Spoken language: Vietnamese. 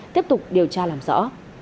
tiếp tục điều tra làm rõ